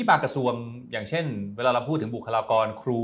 บางกระทรวงเที่ยวเวลาเราพูดถึงบุคลากรครู